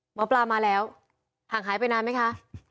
หมอปลามาแล้วห่างหายไปนานไหมคะ